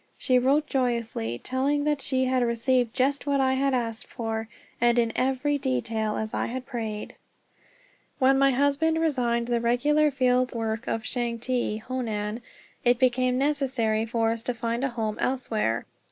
She wrote joyously, telling that she had received just what I had asked for, and in every detail as I had prayed. When my husband resigned the regular field work of Changte, Honan, it became necessary for us to find a home elsewhere.